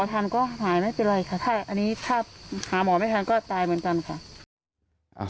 ทนก็หายไม่เป็นอะไรจะทับหาหมอไม่ทำก็ตายเหมือนกันครับ